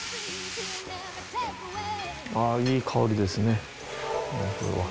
ああいい香りですね。